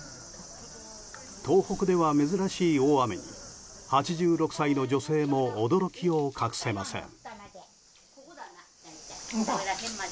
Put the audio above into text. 東北では珍しい大雨に８６歳の女性も驚きを隠せません。